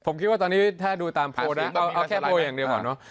ผมคิดว่าตอนนี้ถ้าดูตามโพลนะเอาแค่โพลอย่างเดียวก่อนเนอะ